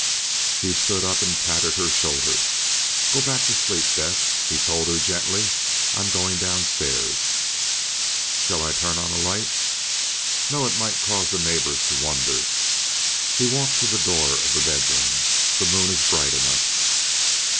He stood up and patted her shoulder. "Go back to sleep, Beth," he told her gently. "I'm going downstairs." "Shall I turn on a light?" "No. It might cause the neighbors to wonder." He walked to the door of the bedroom. "The moon is bright enough."